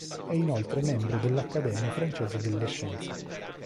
È inoltre membro dell'Accademia francese delle scienze.